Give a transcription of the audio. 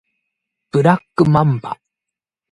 ブラックマンバ